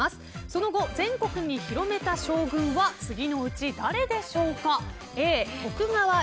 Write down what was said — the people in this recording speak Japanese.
その後、全国に広めた将軍は次のうち誰でしょうか。